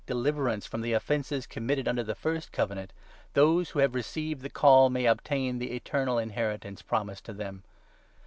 441 deliverance from the offences committed under the first Coven ant, those who have received the Call may obtain the eternal inheritance promised to them.